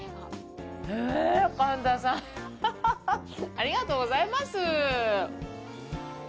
神田さん、ありがとうございます。